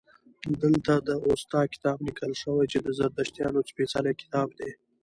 دلته د اوستا کتاب لیکل شوی چې د زردشتیانو سپیڅلی کتاب دی